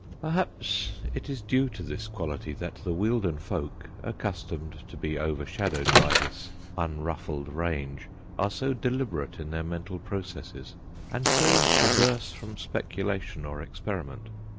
Perhaps it is due to this quality that the Wealden folk, accustomed to be overshadowed by this unruffled range, are so deliberate in their mental processes and so averse from speculation or experiment.